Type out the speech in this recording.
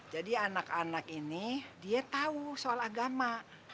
jadi anak anak ini dia tahu soal agama